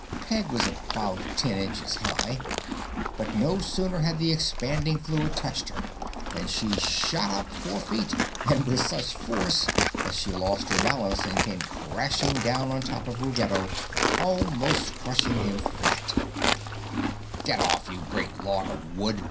Peg was about ten inches high, but no sooner had the expanding fluid touched her than she shot up four feet and with such force that she lost her balance and came crashing down on top of Ruggedo, almost crushing him flat. [Illustration: (unlabelled)] "Get off, you great log of wood!"